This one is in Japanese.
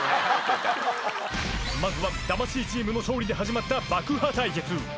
［まずは魂チームの勝利で始まった爆破対決］